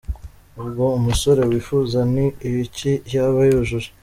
Ubwo umusore wifuza ni ibiki yaba yujuje?.